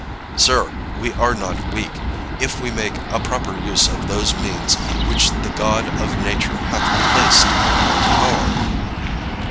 Sir, we are not weak, if we make a proper use of those means which the God of nature hath placed in our power.